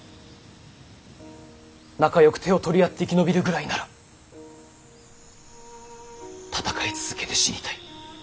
仲よく手を取り合って生き延びるぐらいなら戦い続けて死にたい。